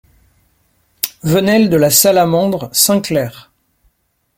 Venelle de la Salamandre, Saint-Clair